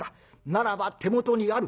ならば手元にある。